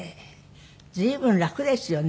随分楽ですよね